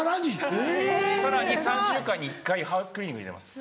さらに３週間に１回ハウスクリーニング入れます。